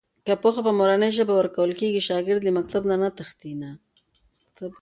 که پوهه په مورنۍ ژبه ورکول کېږي، شاګرد له مکتب نه تښتي نه.